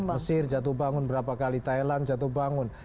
mesir jatuh bangun berapa kali thailand jatuh bangun